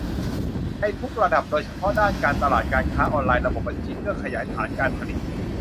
ในทุกระดับ โดยเฉพาะด้านการตลาด การค้าออนไลน์ ระบบบัญชี เพื่อขยายฐานการผลิต